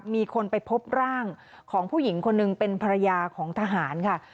มีคนไปพบร่างของผู้หญิงคนหนึ่งเป็นภรรยาของทหารค่ะ